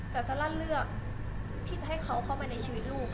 แต่ซาร่าเลือกที่จะให้เขาเข้าไปในชีวิตลูก